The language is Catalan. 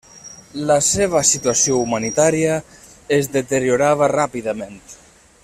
La seva situació humanitària es deteriorava ràpidament.